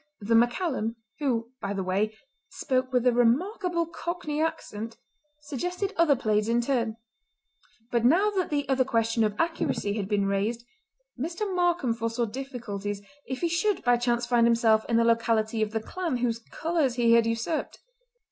The MacCallum, who, by the way, spoke with a remarkable cockney accent, suggested other plaids in turn; but now that the other question of accuracy had been raised, Mr. Markam foresaw difficulties if he should by chance find himself in the locality of the clan whose colours he had usurped.